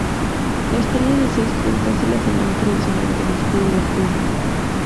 La estrella de seis puntas es el señal tradicional del escudo del pueblo.